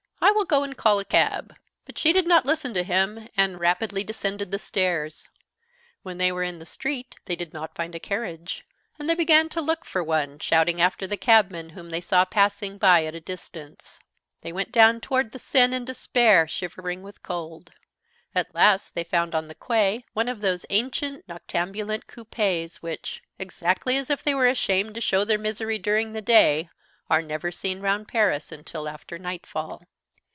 I will go and call a cab." But she did not listen to him, and rapidly descended the stairs. When they were in the street they did not find a carriage; and they began to look for one, shouting after the cabmen whom they saw passing by at a distance. They went down toward the Seine, in despair, shivering with cold. At last they found on the quay one of those ancient noctambulent coupés which, exactly as if they were ashamed to show their misery during the day, are never seen round Paris until after nightfall.